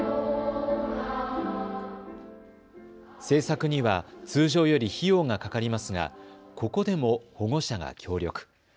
制作には通常より費用がかかりますがここでも保護者が協力。